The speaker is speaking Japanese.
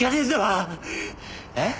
えっ？